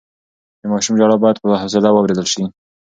د ماشوم ژړا بايد په حوصله واورېدل شي.